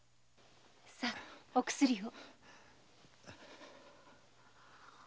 さあお薬を。